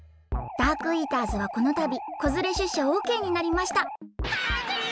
ダークイーターズはこのたびこづれしゅっしゃオッケーになりましたハングリー！